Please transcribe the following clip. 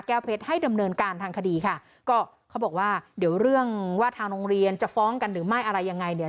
เพชรให้ดำเนินการทางคดีค่ะก็เขาบอกว่าเดี๋ยวเรื่องว่าทางโรงเรียนจะฟ้องกันหรือไม่อะไรยังไงเนี่ย